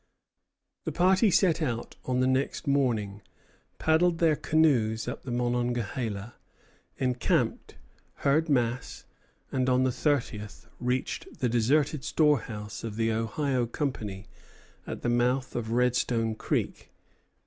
The party set out on the next morning, paddled their canoes up the Monongahela, encamped, heard Mass; and on the thirtieth reached the deserted storehouse of the Ohio Company at the mouth of Redstone Creek.